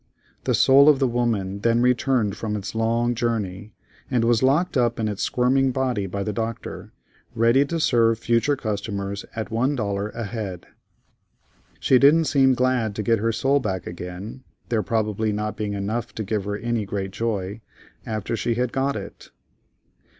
The soul of the woman then returned from its long journey, and was locked up in its squirmy body by the Doctor, ready to serve future customers at one dollar a head. She didn't seem glad to get her soul back again, there probably not being enough to give her any great joy, after she had got it.